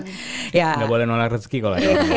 nggak boleh menolak rezeki kalau ya